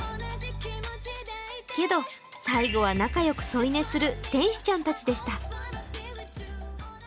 けど、最後は仲良く添い寝する天使ちゃんたちでした。